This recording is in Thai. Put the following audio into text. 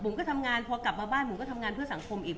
ก็ทำงานพอกลับมาบ้านผมก็ทำงานเพื่อสังคมอีก